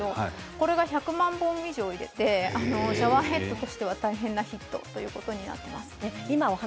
これが１００万本以上売れてシャワーヘッドとしては大変なヒットということになっています。